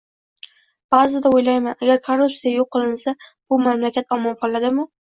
Ba'zida o'ylayman, agar korruptsiya yo'q qilinsa, bu mamlakat omon qoladimi?